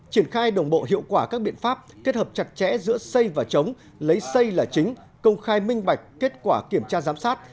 triển khai đồng bộ hiệu quả các biện pháp kết hợp chặt chẽ giữa xây và chống lấy xây là chính công khai minh bạch kết quả kiểm tra giám sát